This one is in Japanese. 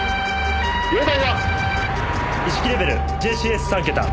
「容態は？」意識レベルＪＣＳ３桁。